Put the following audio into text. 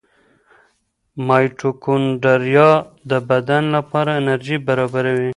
مایټوکونډریا د بدن لپاره انرژي برابروي.